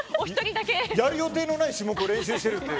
やる予定のない種目を練習しているという。